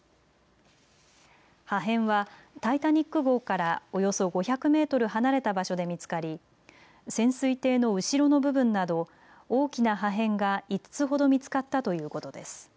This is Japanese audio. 破片はタイタニック号からおよそ５００メートル離れた場所で見つかり潜水艇の後ろの部分など大きな破片が５つほど見つかったということです。